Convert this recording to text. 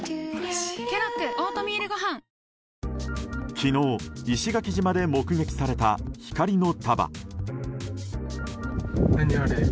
昨日、石垣島で目撃された光の束。